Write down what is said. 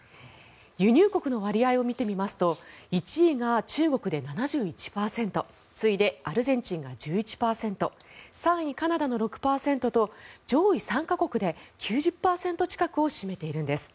輸入国の割合を見てみますと１位が中国で７１％次いでアルゼンチンが１１％３位、カナダの６％と上位３か国で９０％近くを占めているんです。